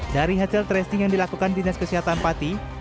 dari hasil tracing yang dilakukan di nas kesehatan pati